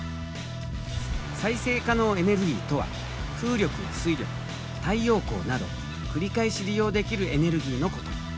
再生可能エネルギーとは風力や水力太陽光など繰り返し利用できるエネルギーのこと。